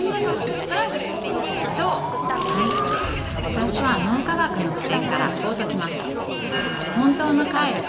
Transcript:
私は脳科学の視点からこう解きました。